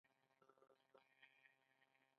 ایا زه پیاده تګ کولی شم؟